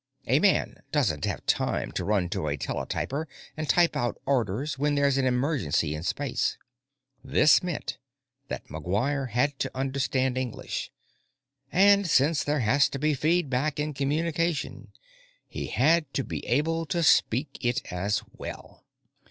A man doesn't have time to run to a teletyper and type out orders when there's an emergency in space. That meant that McGuire had to understand English, and, since there has to be feedback in communication, he had to be able to speak it as well.